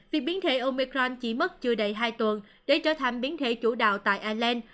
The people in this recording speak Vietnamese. việc biến thể omecron chỉ mất chưa đầy hai tuần để trở thành biến thể chủ đạo tại ireland